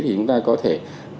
thì chúng ta có thể